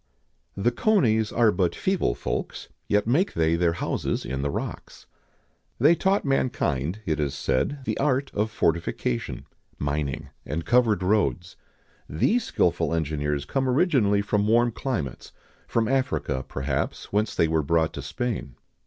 "The conies are but feeble folks, yet make they their houses in the rocks."[XIX 101] They taught mankind, it is said, the art of fortification, mining, and covered roads.[XIX 102] These skilful engineers come originally from warm climates; from Africa, perhaps, whence they were brought to Spain.